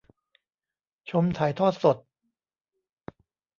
ชมถ่ายทอดสด